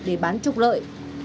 để bán trục lợi